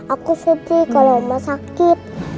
aku sedih kalo mama sakit